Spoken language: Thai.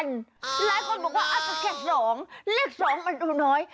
หลายคนบอกว่าอาจจะแค่๒เลข๒มันดูน้อย